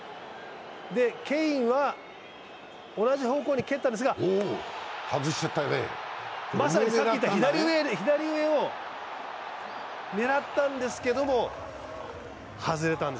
ケインは同じ方向に蹴ったんですがまさにさっき言った左上を狙ったんですけど、外れたんです。